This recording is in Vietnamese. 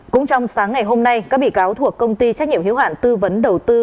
cũng trong sáng ngày hôm nay các bị cáo thuộc công ty trách nhiệm hiếu hạn tư vấn đầu tư